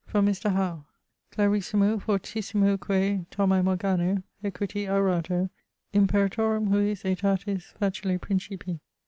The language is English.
From Mr. Howe: [_Clarissimo fortissimoque Thomae Morgano, equiti aurato, imperatorum hujus aetatis facile principi.